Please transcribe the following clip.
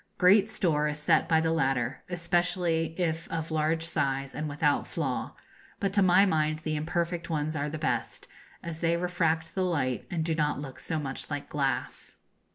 Great store is set by the latter, especially if of large size and without flaw; but to my mind the imperfect ones are the best, as they refract the light and do not look so much like glass.